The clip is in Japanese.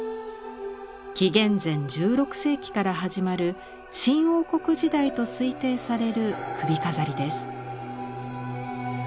紀元前１６世紀から始まる新王国時代と推定される首飾りです。